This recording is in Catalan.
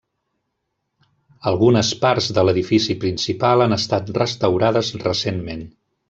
Algunes parts de l'edifici principal han estat restaurades recentment.